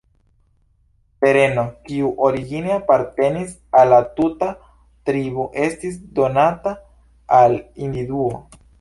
Tereno, kiu origine apartenis al la tuta tribo, estis donata al individuo.